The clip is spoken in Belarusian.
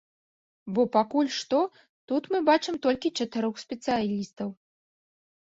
Бо пакуль што тут мы бачым толькі чатырох спецыялістаў.